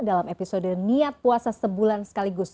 dalam episode niat puasa sebulan sekaligus